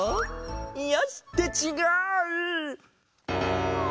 よし！ってちがう！